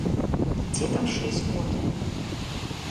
Дзе там шэсць год!